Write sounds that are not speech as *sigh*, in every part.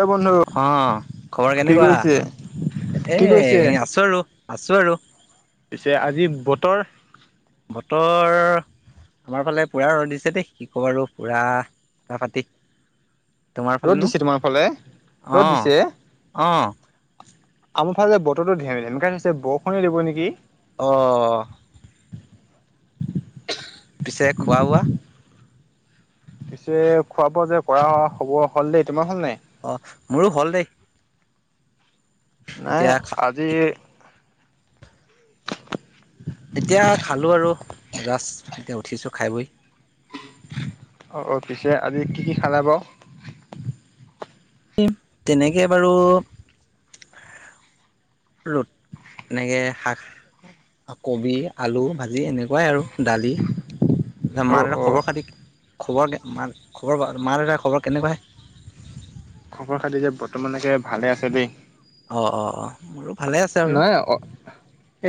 অই বন্ধু অ'! খবৰ কি কেনেকুৱা? কৰিছে? এ, কি কৰিছে? আছোঁ আৰু। আছোঁ আৰু। পিছে আজি বতৰ? বতৰ আমাৰ ফালে, পূৰা ৰ'দ দিছে দেই! কি ক'বা আৰু, - পূৰা ফাটা-ফাটি। ৰ'দ দিছে তোমাৰ ফালে, অ ৰ'দ দিছে? অ আমাৰ ফালে, বতৰটো *unintelligible* ধেমেকই থেছে, বৰষুণে দিব নেকি! অ'! পিছে, খোৱা-বোৱা? পিছে, খোৱা-বোৱা যে কৰা হ'ব, হ'ল দেই। তোমাৰ হ'ল নাই? অ'! মোৰো হ'ল দেই। নাই, এতিয়া আজি *unintelligible* এতিয়া খালোঁ আৰু যাষ্ট। এতিয়া, উঠিছোঁ খাই- বৈ। অ' অ'! পিছে, আজি কি কি খালা বাৰু? *unintelligible* তেনেকে বাৰু *unintelligible* এনেকে শাক, কবি, আলু ভাজি এনে কোৱাই আৰু দালি। *unintelligible* মা- অ' দেউতাৰ অ' খবৰ-খাতি খবৰ, *unintelligible* খবৰ, মা-দেউতাৰ খবৰ কেনেকুৱা? খবৰ-খাতি যে, বৰ্তমানলৈকে ভালে আছে, দেই। অ' অ' অ'! মোৰো ভালে আছে। আৰু নহয়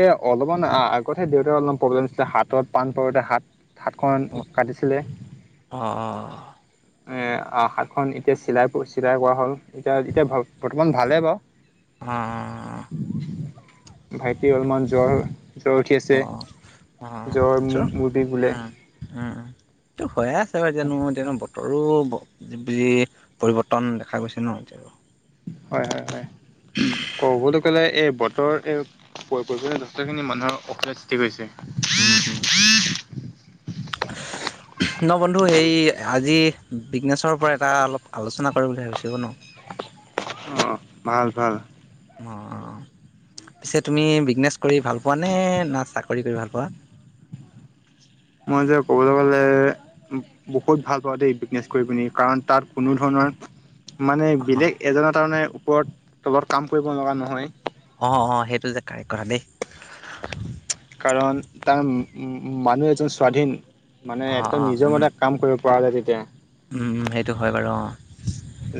এ, অলপমান আগতহে, দেউতাৰ অলপমান প্ৰব্লেম আছিলে, হাতত পাণ পৰোঁতে, হাত হাতখন কাটিছিলে। অ' অ' অ'! এ, হাতখন এতিয়া চিলাই, চিলাই কৰা হ'ল। এতিয়া, এতিয়া বৰ্তমান ভালে বাৰু। উম, উম, উম। *unintelligible* ভাইটি অলপমান জ্বৰ, জ্বৰ উঠি অ', আছে। অ', অ জ্বৰ, চ মূৰ বিষ বোলে। উম উম, এইটো হৈয়ে আছে, *unintelligible* এতিয়ানো, বতৰো যি, পৰিৱৰ্তন দেখা গৈছে ন'! এতিয়া আৰু। হয়, হয়, হয়! ক'বলৈ গ'লে, এই বতৰ এ, পৰি *unintelligible* যথেষ্টখিনি মানুহৰ অসুবিধা সৃষ্টি কৰিছে। উম, উম! *unintelligible* ন' বন্ধু সেই, আজি বিজনেছৰ পৰা, এটা অলপ আলোচনা কৰিম বুলি ভাবিছোঁ ক' ন'? অ' অ'! ভাল-ভাল। অ'! পিছে তুমি, বিজনেছ কৰি ভাল পোৱা নে, না চাকৰি কৰি ভাল পোৱা? মই যে ক'বলৈ গ'লে বহুত ভাল পাওঁ দেই বিজনেছ কৰি পিনি কাৰণ তাত কোনো ধৰণৰ মানে অ', বেলেগ এজনৰ তাৰ মানে ওপৰত তলত কাম কৰিব লগা নহয় অঁ অঁ সেইটো যে কাৰেক্ট কথা দেই কাৰণ তাৰ মানুহ এজন স্বাধীন মানে অ', একদম অ', নিজৰ উম, মতে কাম কৰিব পৰা যায় তেতিয়া উম সেইটো হয় বাৰু অঁ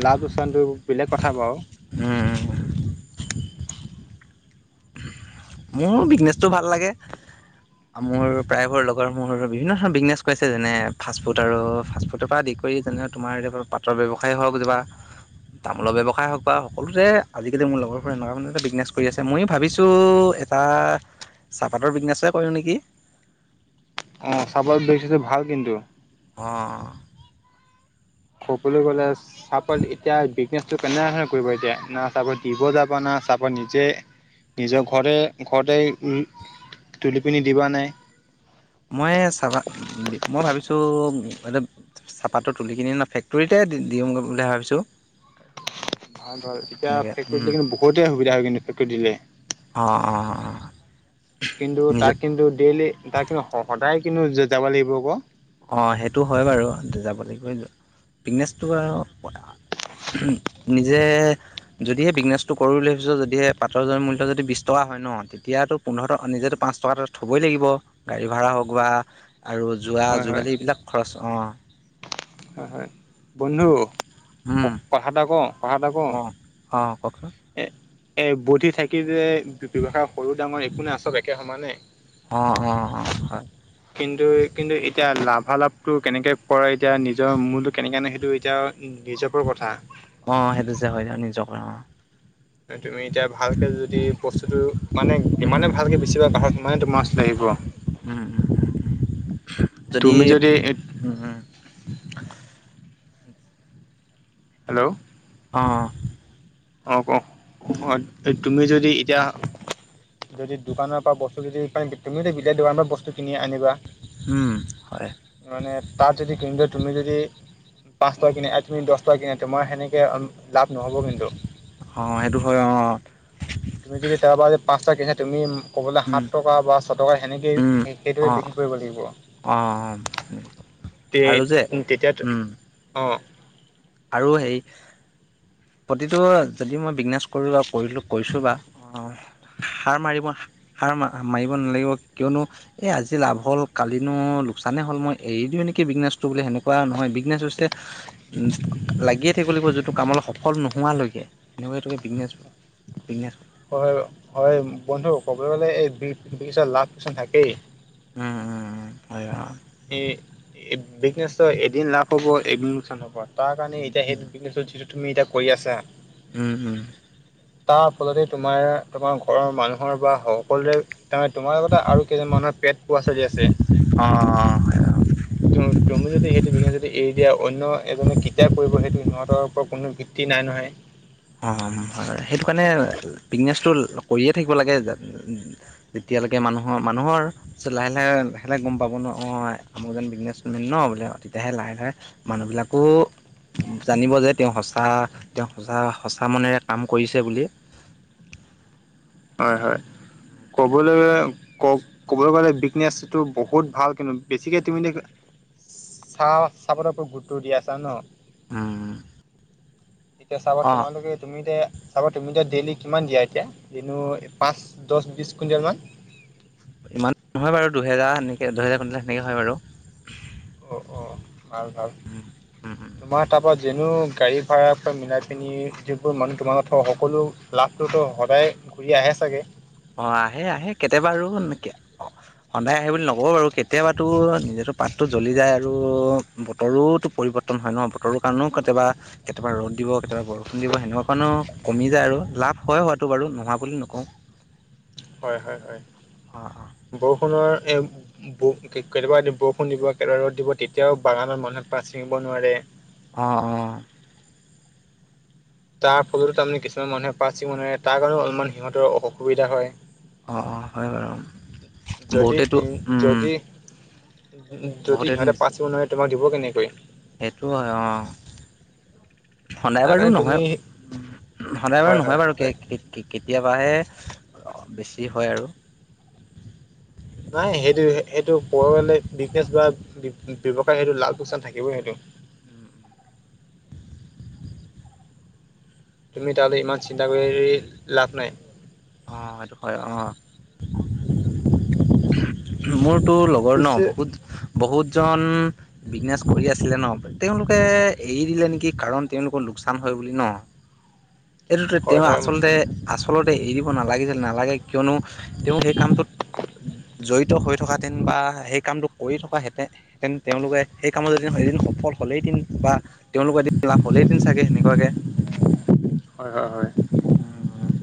লাভ লোকচানটো বেলেগ কথা বাৰু উম উম মোৰ বিজনেচটো ভাল লাগে মোৰ প্ৰায়বোৰৰ লগৰ মোৰ বিভিন্ন ধৰণৰ বিজনেছ কৰিছে যেনে ফাষ্ট ফুড আৰু ফাষ্ট ফুডৰ পা আদি কৰি আদি কৰি যেনে তোমাৰ এ পাতৰ ব্যৱসায় হওক কিবা তামোলৰ ব্যৱসায় হওক বা সকলোতে আজিকালি মোৰ লগৰবোৰে এনেকুৱা মানতে বিজনেছ কৰি আছে মইও ভাবিছোঁ এ এটা চাহপাতৰ বিজনেছে কৰো নিকি অঁ চাহ পাতৰ বিজনেজটো ভাল কিন্তু অ সকলো কলেজ চাহপাত এতিয়া বিজনেচটো কেনেকা ধৰণে কৰিব এতিয়া না চাহপাত দিব যাবা না চাহপাত নিজে নিজৰ ঘৰতে ঘৰতে উম তুলি পিনি দিবা নে মই চাবা মই ভাবিছোঁ এ চাহপাতটো তুলি কিনি ন ফেক্টৰীতে দি দিওঁগে বুলি ভাবিছোঁ ভাল ধৰ এতিয়া এনেকৈ ফেক্টৰিত দিলে কিন্তু বহুতে সুবিধা হয় কিন্তু ফেক্টৰীত দি দিলে অ অ কিন্তু তাক কিন্তু ডেইলি তাক কিন্তু স সদায় কিন্তু যা যাব লাগিব ক অঁ সেইটো হয় বাৰু যাব লাগিব কিন্তু বিনেছটো আও নিজে যদিহে বিজনেছটো কৰো বুলি ভাবিছ যদিহে পাতৰ জ মূল্য যদি বিছ টকা হয় ন এতিয়াতো পোন্ধৰ টকা নিজেতো পাঁচ টকা থ'বই লাগিব গাড়ী ভাড়া হওক বা আৰু যোৱা হয় হয় যোগালী এইবিলাক খৰচ অঁ হয় হয় বন্ধু ক উম কথা এটা কওঁ কথা এটা কওঁ, অঁ অঁ কওকচোন এ এ বধি থাকি যে বে ব্যৱসায় সৰু ডাঙৰ একো নাই চব একে সমানেই অ অ অ হয়। কিন্তু কিন্তু এতিয়া লাভালাভটো কেনেকে কৰে এতিয়া নিজ নিজৰ মূলটো কেনেকে আনে সেইটো এতিয়া নিজৰ ওপৰত কথা। অ সেইটো যে হয় ন নিজ অ তুমি এতিয়া ভালকে যদি বস্তুটো মানে যিমানে উম ভালকে বেচিবা বাহত সিমানে তোমা মাছ লাগিব। উম উম উম তুমি যদি উম হেল্ল' অ অঁ ক অঁ তুমি যদি এতিয়া যদি দোকানৰ পা বস্তু যদি তুমি টো বেলেগ দোকানৰ পা বস্তু কিনি আনিবা। উম হয়। মানে তাত যদি কিনুতে তুমি যদি পাঁচ পাই কিনে তুমি দহ টকা কিনে তোমাৰ সেনেকে লাভ নহ'ব কিন্তু অ সেইটো হয় অ। তুমি যদি তাৰপৰা যদি পাঁচটা কিনে তুমি ক'বলে উম সাত টকা বা ছ টকা সেনেকেই সেইটোৱে বিক্ৰী কৰিব লাগিব। অ অ। তে তেতিয়াত অ আৰু সেই প্ৰতিটো যদি মই বিজনেছ কৰোঁ বা কৰিলোঁ কৰিছোঁ বা, অহ সাৰ মাৰিব সাৰ মাৰিব নালাগিব কিয়নো এই আজি লাভ হ'ল কালিনো লোকচানেই হ'ল মই এৰি দিওঁ নেকি বিজনেছটো বুলি সেনেকুৱা নহয়। বিজনেছ হৈছে উ লাগিয়ে থাকিব যোনটো কামল সফল নোহোৱালৈকে সেনেকুৱে বিজনেছ বিগনেছ হয় হয় বন্ধু ক'বলৈ গ'লে এই বিজনেছত লাভ লোকচান থাকেই। উম উম হয় বা আমি বিজনেছটো এদিন লাভ হ'ব, এদিন লোকচান হব। তাৰ কাৰণে এতিয়া সেইটো বিজনেছত যিটো তুমি এতিয়া কৰি আছা উম উম। তাৰ ফলতে তোমাৰ তোমাৰ ঘৰৰ মানুহৰ বা সকলোৱে তাৰমানে তোমাৰ লগতে আৰু কেইজন মানুহৰ পেট পোৱা চলি আছে। অ অ। ত তুমি যদি সেইটো বিজনেছ যদি এৰি দিয়া অন্য এজনে কিটিয়া কৰিব সেইটো সিহঁতৰ ওপৰত কোনো ভিত্তি নাই নহয়। অ হয়, সেইটো কাৰণে বিজনেছটো কৰিয়ে থাকিব লাগে। যেতিয়ালৈকে মানুহৰ মানুহৰ লাহ লাহে লাহ লাহে গম পাব ন অঁ আমু যেজন বিজনেছমেন ন বোলে তেতিয়াহে লাহে লাহে। মানুহবিলাকো জানিব যে তেওঁ সঁচা তেওঁ সঁচা সঁচা মনেৰে কাম কৰিছে বুলি। হয় হয় ক'বলে কওক ক'বলৈ গ'লে বিকনেছটো বহুত ভাল কিন্তু বেছিকে তুমি চাহ চাবলে ওপৰত গুৰুত্ব দিয়া আছা ন। উম। এতিয়া চাবা অ' তোমালোকে তুমি এতিয়া চাবা তুমি এতিয়া ডেইলি কিমান দিয়া এতিয়া? দিনো পাঁচ, দছ, বিছ কুইণ্টেলমান। ইমান নহয় বাৰু দুহেজাৰ সেনেকে দুহেজাৰ, তিনিহাজাৰ সেনেকে হয় বাৰু। অঁ অঁ ভাল ভাল। উম, উম উম তোমাৰ তাপা যেনো গাড়ী ভাড়াৰ পৰা মিলাই পিনি যিবোৰ মানুহ তোমাৰ লগত থ সকলো লাভটোতো সদায় ঘূৰি আহে চাগে? অ আহে আহে, কেতিয়াবা আৰু নেকে অ সদায় আহে বুলি নক'ব বাৰু কেতিয়াবাতো নিজেটো পাতটো জ্বলি যায় আৰু বতৰোটো পৰিব তন হয় ন, বতৰ কাৰণেও কেতিয়াবা কেতিয়াবা ৰ'দ দিব কেতিয়াবা বৰষুণ দিব সেনেকুৱা কাৰণেও কমি যায় আৰু লাভ হয় হোৱাটো বাৰু নোহোৱা বুলি নকওঁ। হয় হয় হয়। অ অ বৰষুণৰ এ *unintelligible* কেতিয়াবা বৰষুণ দিব কোবা ৰ'দ দিব তেতিয়াও বাগানত মানুহে পাত ছিঙিব নোৱাৰে। অ', অ'। তাৰ ফলতো তাৰমানে কিছুমান মানুহে পাচিব নোৱাৰে তাৰ কাৰণেও অলপমান সিহঁতৰ অসুবিধা হয়। অ', অ', হয়, হয়, হয় যদি বহুতেটো উম। যদি যদি বহুতেতো সিহঁতে নিচ পাত চিব নোৱাৰে তোমাক দিব কেনেকৈ। সেইটো হয় অ'। সদায় তাৰ বাৰু কাৰণে নহয়, তুমি সদায় হয় বাৰু নহয় হয় বাৰু কে হয় কে-কেতিয়াবাহে বেছি হয় আৰু। নাই সেইটো সেইটো *unintelligible* বিজনেচ বা ব্যৱসায় সেইটো লাল পচান থাকিবই সেইটো। অঁ তুমি তালৈ ইমান চিন্তা কৰি লাভ নাই। অ' সেইটো হয় অ' মোৰটো লগ *unintelligible* পিছে বহুত, বহুতজন বিজনেচ কৰি আছিলে ন' তেওঁলোকে এৰি দিলে নেকি, কাৰণ তেওঁলোকৰ লোকচান হয় বুলি ন'। এইটোতে হয় তেওঁ হয় আচলতে, আচলতে এৰি দিব নালাগিছিল নালাগে কিয়নো তেওঁ সেই কামটোত, জড়িত হৈ থকাহেঁতেন বা সেই কামটো কৰি থকাহেঁতেন তেন তেওঁলোকে সেই কামত যদি এইদিন সফল হ'লে সেইদিন বা তেওঁলোক এদিন লাভ হ'লে দিন চাগে সেনেকুৱা লাগে, হয় হয় হয় উম, উম।